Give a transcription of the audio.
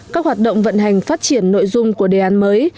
các hoạt động vận hành phát triển nội dung của đề án mới